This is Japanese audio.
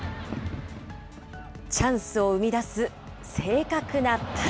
チャンスを生み出す正確なパス。